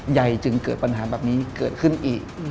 ใหญ่จึงเกิดปัญหาแบบนี้เกิดขึ้นอีก